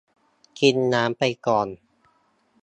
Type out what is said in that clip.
กินน้ำไปก่อน